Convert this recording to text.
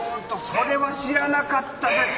それは知らなかったです！